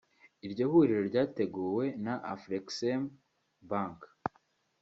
Iryo huriro ryateguwe na Afreximbank